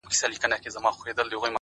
هره ورځ د ځان سمولو فرصت لري.!